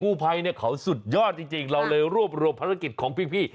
ผู้ภัยเนี่ยเขาสุดยอดจริงเราเลยรวบรวมภารกิจของพี่